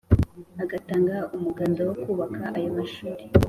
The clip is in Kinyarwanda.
agatanga umuganda wo kubaka ayo mashuri,